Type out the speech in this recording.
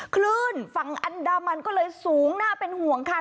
คลื่นฝั่งอันดามันก็เลยสูงน่าเป็นห่วงค่ะ